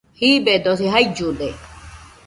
Jiibedosi jaillude